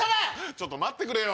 ちょっと待ってくれよ。